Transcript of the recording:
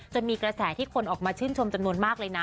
จะมีกระแสที่คนออกมาชื่นชมจำนวนมากเลยนะ